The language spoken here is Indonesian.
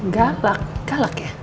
galak galak ya